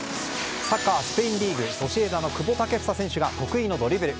サッカースペインリーグソシエダの久保建英選手が得意のドリブル。